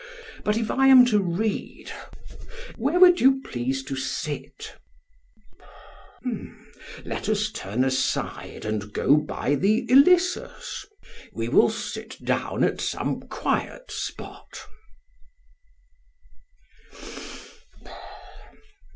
But if I am to read, where would you please to sit? SOCRATES: Let us turn aside and go by the Ilissus; we will sit down at some quiet spot.